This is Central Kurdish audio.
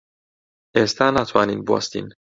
ئێستا ناتوانین بوەستین.